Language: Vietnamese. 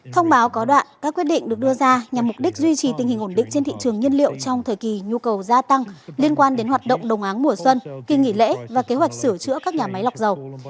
thông báo có đoạn các quyết định được đưa ra nhằm mục đích duy trì tình hình ổn định trên thị trường nhiên liệu trong thời kỳ nhu cầu gia tăng liên quan đến hoạt động đồng áng mùa xuân kỳ nghỉ lễ và kế hoạch sửa chữa các nhà máy lọc dầu